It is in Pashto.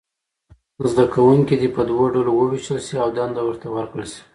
زده کوونکي دې په دوو ډلو وویشل شي او دنده ورته ورکړل شي.